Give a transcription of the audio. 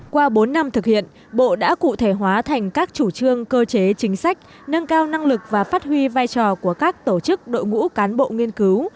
qua bốn năm thực hiện bộ đã cụ thể hóa thành các chủ trương cơ chế chính sách nâng cao năng lực và phát huy vai trò của các tổ chức đội ngũ cán bộ nghiên cứu